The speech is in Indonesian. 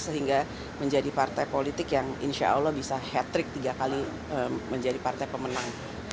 sehingga menjadi partai politik yang insya allah bisa hat trick tiga kali menjadi partai pemenang